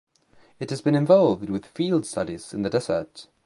It has been involved with field studies in the desert.